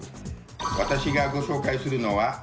私がご紹介するのは。